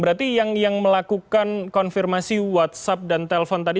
berarti yang melakukan konfirmasi whatsapp dan telpon tadi